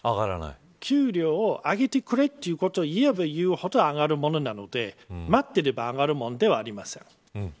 給料を上げてくれということを言えば言うほど上がるものなので待っていれば上がるものではありません。